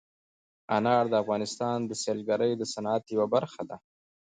انار د افغانستان د سیلګرۍ د صنعت یوه برخه ده.